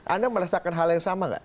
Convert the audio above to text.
anda merasakan hal yang sama nggak